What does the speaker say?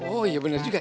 oh ya bener juga